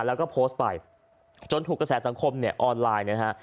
แล้วก็โพสต์ไปจนถูกกระแสสังคมเนี่ยออนไลน์นะฮะ